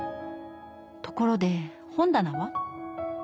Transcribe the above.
ところで本棚は？